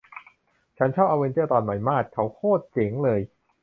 ฉันชอบอเวนเจอร์ตอนใหม่มาด เขาโคตรเจ๋งเลย